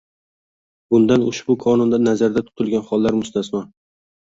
bundan ushbu Qonunda nazarda tutilgan hollar mustasno;